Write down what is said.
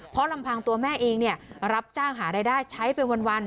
เพราะลำพังตัวแม่เองรับจ้างหารายได้ใช้ไปวัน